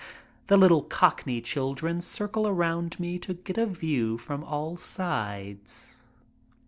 The little cockney children circle around me to get a view from all sides.